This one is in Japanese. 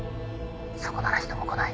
「そこなら人も来ない」